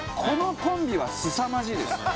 このコンビはすさまじいです。